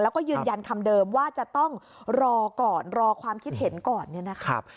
แล้วก็ยืนยันคำเดิมว่าจะต้องรอก่อนรอความคิดเห็นก่อน